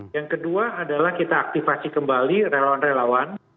yang kedua adalah kita aktifasi kembali relawan relawan